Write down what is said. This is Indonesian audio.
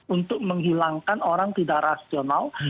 untuk menghilangkan orang tidak rasional